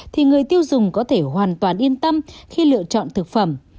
thì người tiêu dùng có thể hoàn toàn yên tâm khi lựa chọn thực phẩm